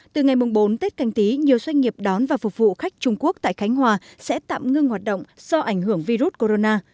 từ ngày bốn tết canh tí nhiều doanh nghiệp đón và phục vụ khách trung quốc tại khánh hòa sẽ tạm ngưng hoạt động do ảnh hưởng virus corona